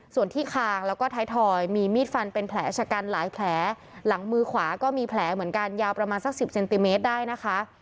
ส่วนที่คางแล้วก็ท้ายทอยมีมีดฟันเป็นแผลชะกันหลายแผลหลังมือขวาก็มีแผลเหมือนกันยาวประมาณสักสิบเซนติเมตรได้นะคะ